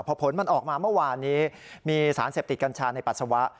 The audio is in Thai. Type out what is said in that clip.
พอผลมันออกมาเมื่อวานนี้มีสารเสพติดกัญชาในปัสสาวะ